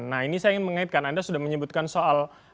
nah ini saya ingin mengaitkan anda sudah menyebutkan soal